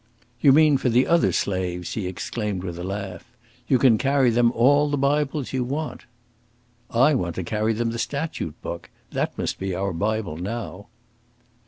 "You mean for the other slaves!" he exclaimed, with a laugh. "You can carry them all the Bibles you want." "I want to carry them the Statute book; that must be our Bible now."